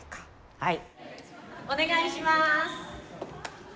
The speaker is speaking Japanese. はい！